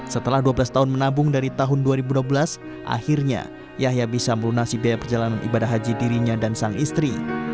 setelah dua belas tahun menabung dari tahun dua ribu dua belas akhirnya yahya bisa melunasi biaya perjalanan ibadah haji dirinya dan sang istri